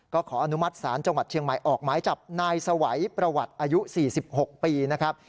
ก็ขออนุมัติศาลจังหวัดเชียงใหม่ออกหมายจับนายสวัยประวัติอายุ๔๖ปีนะครับ